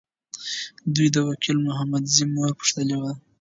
دوی د وکیل محمدزي مور پوښتلي ده.